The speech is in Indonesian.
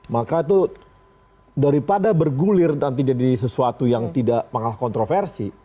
maka itu daripada bergulir nanti jadi sesuatu yang tidak mengalah kontroversi